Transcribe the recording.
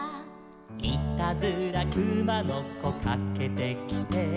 「いたずらくまのこかけてきて」